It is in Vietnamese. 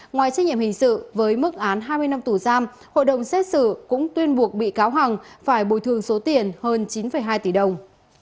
ngoài trách nhiệm hình sự với mức án hai mươi năm tù giam hội đồng xét xử cũng tuyên buộc bị cáo hằng phải bồi thường số tiền hơn chín hai tỷ đồng